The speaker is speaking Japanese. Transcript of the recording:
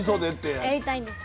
やりたいんです。